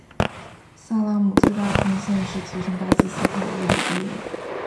萨拉姆最大个贡献是提升巴基斯坦物理地位。